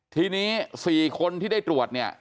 ทีนี้๔คนที่ได้ตรวจเนี่ย